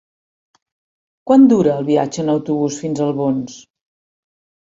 Quant dura el viatge en autobús fins a Albons?